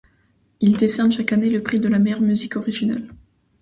Il décerne chaque année le prix de la meilleure musique originale.